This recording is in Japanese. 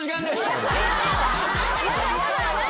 嫌だ嫌だ何？